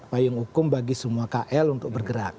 payung hukum bagi semua kl untuk bergerak